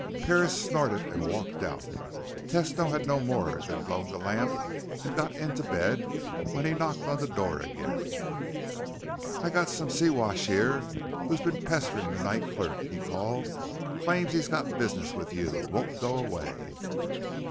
Parris snorted and walked out. Tesno had no more than blown the lamp and got into bed when he knocked on the door again. "I got some siwash here who's been pestering the night clerk," he called. "Claims he's got business with you. Won't go away."